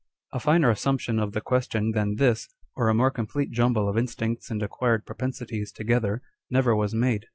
â€" [A finer assumption of the question than this, or a more complete jumble of in stincts and acquired propensities together, never was made.